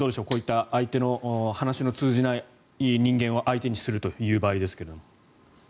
こういった話の通じない人間を相手にするという場合ですけど。